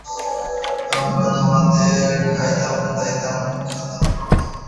আমরা একসাথে খাইতাম-দাইতাম, খেলতাম, পড়তাম।